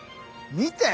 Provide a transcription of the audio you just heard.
見て！